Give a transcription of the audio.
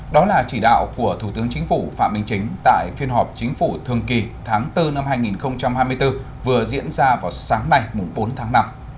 đó là chỉ đạo của thủ tướng chính phủ phạm minh chính tại phiên họp chính phủ thường kỳ tháng bốn năm hai nghìn hai mươi bốn vừa diễn ra vào sáng nay bốn tháng năm